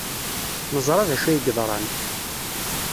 Neẓra d acu ay yeḍran.